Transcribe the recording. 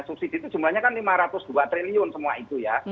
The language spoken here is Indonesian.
subsidi itu jumlahnya kan rp lima ratus dua triliun semua itu ya